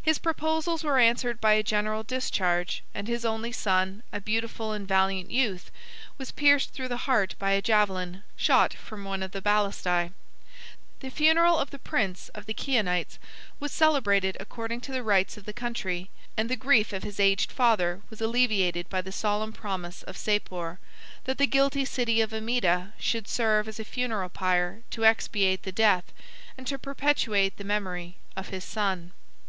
His proposals were answered by a general discharge, and his only son, a beautiful and valiant youth, was pierced through the heart by a javelin, shot from one of the balistæ. The funeral of the prince of the Chionites was celebrated according to the rites of the country; and the grief of his aged father was alleviated by the solemn promise of Sapor, that the guilty city of Amida should serve as a funeral pile to expiate the death, and to perpetuate the memory, of his son.